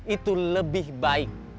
itu lebih baik